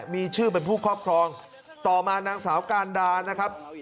มีชื่อเป็นผู้ครอบครองต่อมานางสาวการดานะครับ